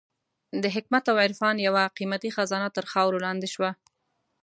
د حکمت او عرفان یوه قېمتي خزانه تر خاورو لاندې شوه.